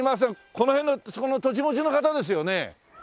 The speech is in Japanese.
この辺の土地持ちの方ですよね？